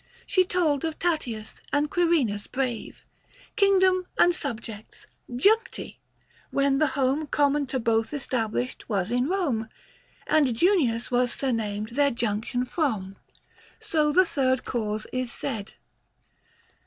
She told of Tatius and Quirinus brave, Kingdoms and subjects "juncti," when the home 105 Common to both established was in Koine ; And Junius was surnamed their junction from. So the third cause is said.